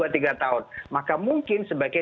dua tiga tahun maka mungkin sebaiknya